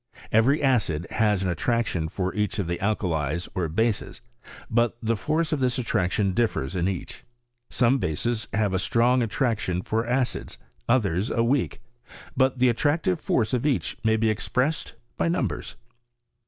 Every acid has an attraction for each of the alkalies or bases ; but the force of this attraction differs in each. Some bases have a strong attraction for acids, and others a weak; but the attractive force of each may be expressed by xiumbers.